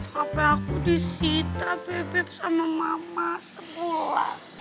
bapak aku disita bebek sama mama sebulan